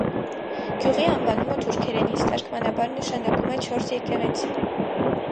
Գյուղի անվանումը թուրքերենից թարգմանաբար նշանակում է «չորս եկեղեցի»։